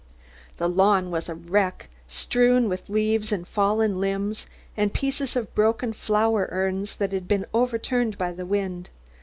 The lawn was a wreck, strewn with leaves and fallen limbs and pieces of broken flower urns that had been overturned by the wind.